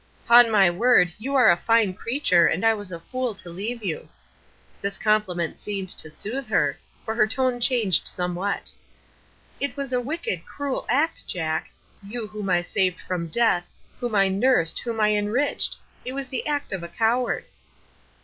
"'Pon my word, you are a fine creature, and I was a fool to leave you." The compliment seemed to soothe her, for her tone changed somewhat. "It was a wicked, cruel act, Jack. You whom I saved from death whom I nursed whom I enriched. It was the act of a coward."